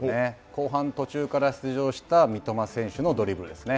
後半途中から出場した三笘選手のドリブルですね。